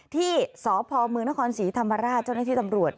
ที่สพเมืองนครศรีธรรมราชเจ้าหน้าที่ตำรวจ